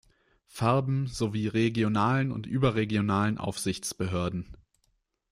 Farben sowie regionalen und überregionalen Aufsichtsbehörden.